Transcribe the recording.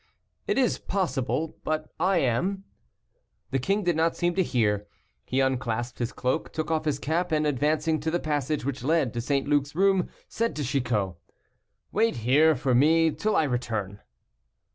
"It is possible, but I am." The king did not seem to hear. He unclasped his cloak, took off his cap, and, advancing to the passage which led to St. Luc's room, said to Chicot, "Wait here for me till I return."